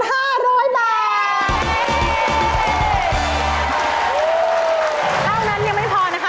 เท่านั้นยังไม่พอนะคะ